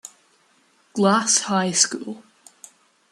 Glass High School.